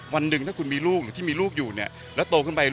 วันหนึ่งถ้าคุณมีลูก